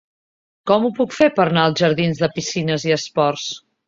Com ho puc fer per anar als jardins de Piscines i Esports?